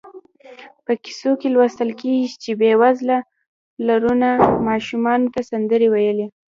په کیسو کې لوستل کېږي چې بېوزله پلرونو ماشومانو ته سندرې ویلې.